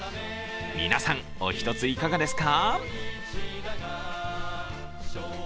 皆さん、お一つ、いかがですか？